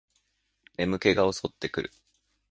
眠気が襲ってくる